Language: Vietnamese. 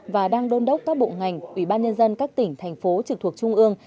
và đang đôn đốc các bộ ngành ủy ban nhân dân các tỉnh thành phố trực thuộc trung ương